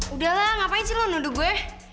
udah lah ngapain sih lu nuduh gue